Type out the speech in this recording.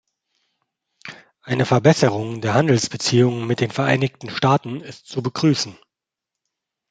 Eine Verbesserung der Handelsbeziehungen mit den Vereinigten Staaten ist zu begrüßen.